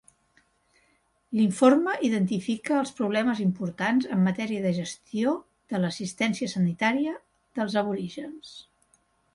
L'informe identifica els problemes importants en matèria de gestió de l'assistència sanitària dels aborígens.